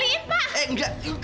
itu uang saya kembaliin pak